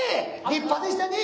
立派でしたで。